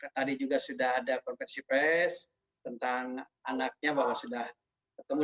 tadi juga sudah ada konversi pres tentang anaknya bahwa sudah ketemu